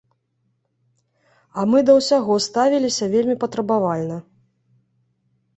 А мы да ўсяго ставіліся вельмі патрабавальна!